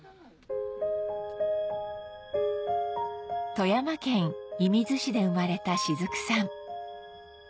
富山県射水市で生まれた雫さん